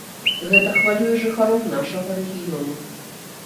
Гэта хвалюе жыхароў нашага рэгіёну.